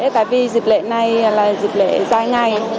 tại vì dịp lễ này là dịp lễ dài ngày